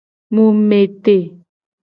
Mu me te.